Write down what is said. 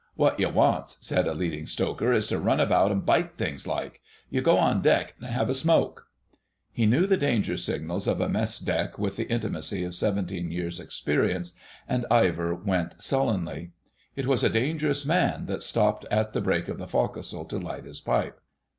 "Wot you wants," said a Leading Stoker, "is to run about an' bite things, like. You go on deck an' 'ave a smoke." He knew the danger signals of a mess deck with the intimacy of seventeen years' experience, and Ivor went sullenly. But it was a dangerous man that stopped at the break of the forecastle to light his pipe.